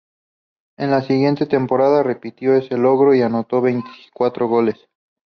En la siguiente temporada repitió ese logro y anotó veinticuatro goles.